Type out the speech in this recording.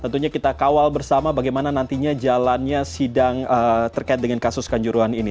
tentunya kita kawal bersama bagaimana nantinya jalannya sidang terkait dengan kasus kanjuruhan ini